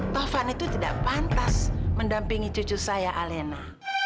tovan itu tidak pantas mendampingi cucu saya alena